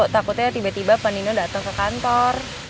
takutnya tiba tiba pak nino datang ke kantor